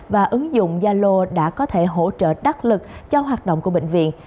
và ứng dụng zalo đã có thể hỗ trợ đắc lực cho hoạt động của bệnh viện